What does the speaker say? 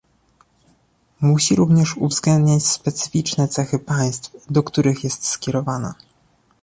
Musi również uwzględniać specyficzne cechy państw, do których jest skierowana